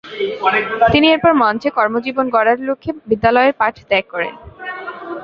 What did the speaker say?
তিনি এরপর মঞ্চে কর্মজীবন গড়ার লক্ষ্যে বিদ্যালয়ের পাঠ ত্যাগ করেন।